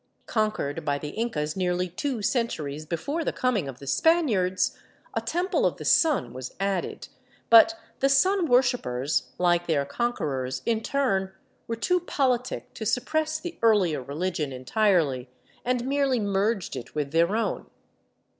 Conquered by the Incas nearly two centuries before the coming of the Spaniards, a Temple of the Sun was added; but the sun worshippers, like their conquerors in turn, were too politic to suppress the earlier religion en tirely, and merely merged it with their own.